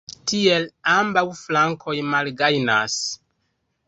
Tiel ambaŭ flankoj malgajnas.